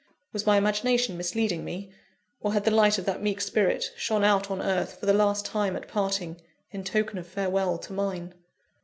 Was my imagination misleading me? or had the light of that meek spirit shone out on earth, for the last time at parting, in token of farewell to mine?